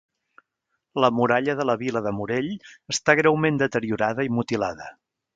La Muralla de la vila de Morell està greument deteriorada i mutilada.